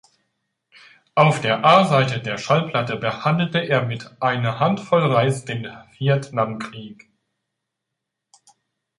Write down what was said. Auf der A-Seite der Schallplatte behandelte er mit "Eine Handvoll Reis" den Vietnamkrieg.